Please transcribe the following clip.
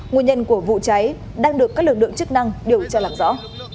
nguồn nhân của vụ cháy đang được các lực lượng chức năng điều tra lặng rõ